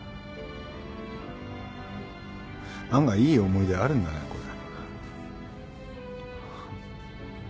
案外いい思い出あるんだねこれ。